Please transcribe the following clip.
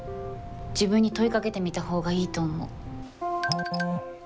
自分に問いかけてみたほうがいいと思う。